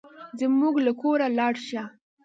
زموږ له کوره لاړ شه.